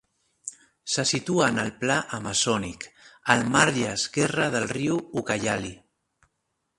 Se situa en el pla amazònic, al marge esquerre del riu Ucayali.